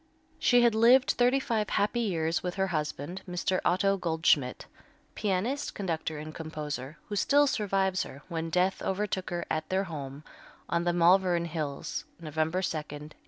She had lived thirty five happy years with her husband, Mr. Otto Goldschmidt, pianist, conductor and composer, who still survives her, when death overtook her at their home on the Malvern Hills, November 2, 1887.